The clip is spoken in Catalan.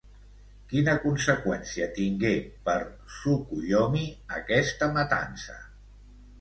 Quina conseqüència tingué, per Tsukuyomi, aquesta matança?